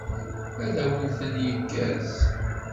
Ad awen-ten-yekkes?